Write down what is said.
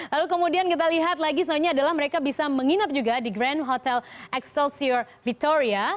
lalu kemudian kita lihat lagi sebenarnya adalah mereka bisa menginap juga di grand hotel exceltiur vitoria